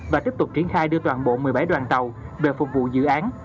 và tiếp tục triển khai đưa toàn bộ một mươi bảy đoàn tàu về phục vụ dự án